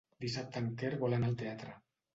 Dissabte en Quer vol anar al teatre.